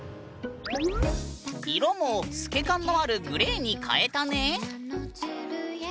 色も透け感のあるグレーに変えたね。